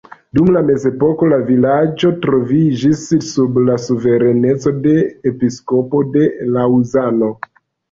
Dum mezepoko la vilaĝo troviĝis sub la suvereneco de episkopo de Laŭzano.